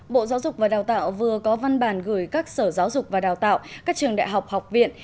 bộ giáo dục và đào tạo vừa có văn bản gửi các sở giáo dục và đào tạo các trường đại học học viện